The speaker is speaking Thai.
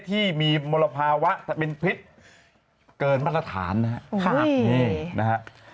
ที่มีมลภาวะเป็นพิษเกินมาตรฐานนะครับนี่นะฮะ